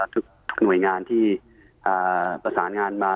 ทุกหน่วยงานที่ประสานงานมา